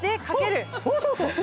そうそうそう。